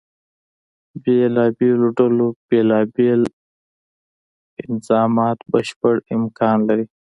بېلابېلو ډلو بیلا بیل انظامات بشپړ امکان لري.